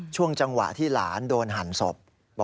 ช่วงจังหวะที่หลานโดนหั่นศพ